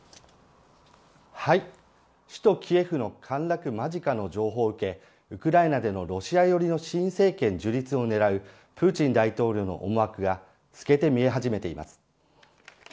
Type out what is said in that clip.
首都・キエフの陥落間近の情報を受け、ウクライナでのロシア寄りの新政権樹立を狙うプーチン大統領の思惑が透けて見え始めています。